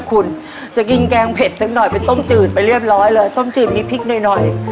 คุณจะกินแกงเผ็ดสักหน่อยเป็นต้มจืดไปเรียบร้อยเลยต้มจืดมีพริกหน่อยหน่อย